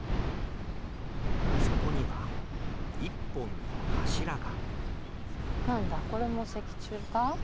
そこには一本の柱が。